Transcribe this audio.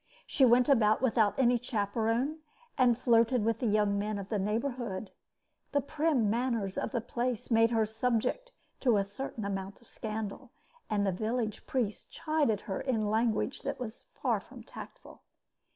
She went about without any chaperon, and flirted with the young men of the neighborhood. The prim manners of the place made her subject to a certain amount of scandal, and the village priest chided her in language that was far from tactful.